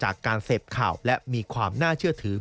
จากการเสพข่าวและมีความน่าเชื่อถือ